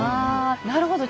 あなるほど。